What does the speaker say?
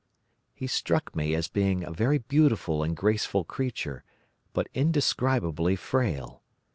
"He struck me as being a very beautiful and graceful creature, but indescribably frail.